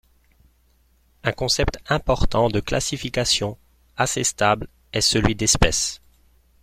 Un concept important de classification, assez stable, est celui d'espèce.